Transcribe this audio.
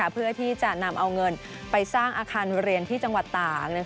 เพื่อที่จะนำเอาเงินไปสร้างอาคารเรียนที่จังหวัดต่าง